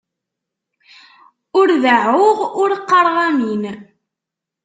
Ur deɛɛuɣ, ur qqaṛeɣ amin.